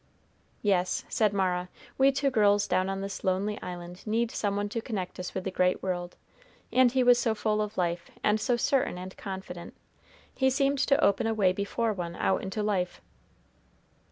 "Yes," said Mara, "we two girls down on this lonely island need some one to connect us with the great world; and he was so full of life, and so certain and confident, he seemed to open a way before one out into life."